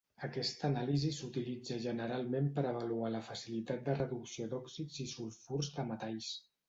Aquesta anàlisi s'utilitza generalment per avaluar la facilitat de reducció d'òxids i sulfurs de metalls.